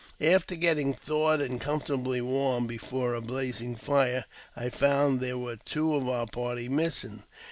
After getting I thawed and comfortably warmed before a blazing fire, I found there were two of our party missing.